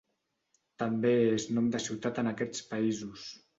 També és nom de ciutat en aquests països.